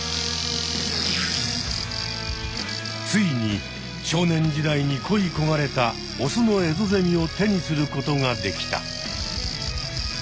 ついに少年時代にこいこがれたオスのエゾゼミを手にすることができた。